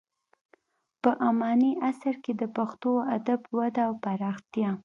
په اماني عصر کې د پښتو ادب وده او پراختیا: